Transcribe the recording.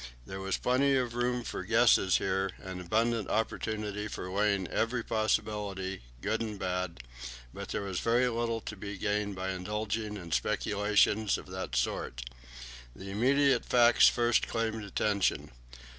There was plenty of room for guesses here, and abundant opportunity for weighing every possibility, good and bad; but there was very little to be gained by indulging in speculations of that sort. The immediate facts first claimed attention.